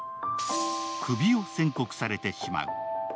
クビを宣告されてしまう。